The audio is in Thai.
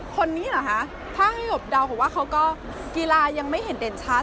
คนนี้หรอฮะถ้าให้เงิบดวงก็คือเค้ากีฬายังไม่เห็นเด่นชาติ